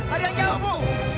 ada yang jauh bu